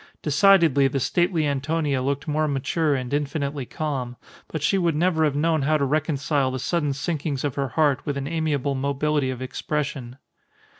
Decidedly, the stately Antonia looked more mature and infinitely calm; but she would never have known how to reconcile the sudden sinkings of her heart with an amiable mobility of expression.